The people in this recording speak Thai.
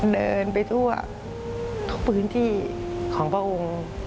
เดินไปทั่วทุกพื้นที่ของพระองค์